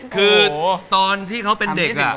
คือตอนที่เขาเป็นเด็ก